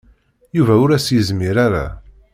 Yuba ur as-yezmir ara.